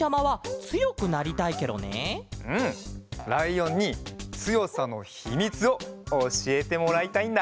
ライオンにつよさのひみつをおしえてもらいたいんだ。